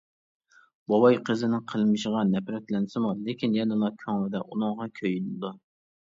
بوۋاي قىزىنىڭ قىلمىشىغا نەپرەتلەنسىمۇ، لېكىن يەنىلا كۆڭلىدە ئۇنىڭغا كۆيۈنىدۇ.